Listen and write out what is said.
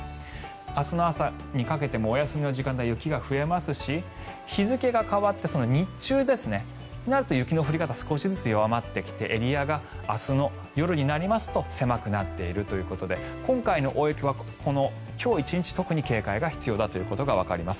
明日の朝にかけてもお休みの時間帯、雪が増えますし日付が変わって日中になると雪の降り方が弱まってきてエリアが明日の夜になりますと狭くなっているということで今回の大雪は今日１日特に警戒が必要だということがわかります。